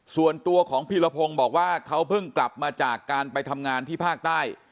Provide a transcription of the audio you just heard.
ส่วนตัวของพีรพงศ์บอกว่าเขาเพิ่งกลับมาจากการไปทำงานที่ภาคใต้